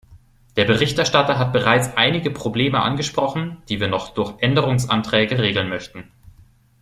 Der Berichterstatter hat bereits einige Probleme angesprochen, die wir noch durch Änderungsanträge regeln möchten.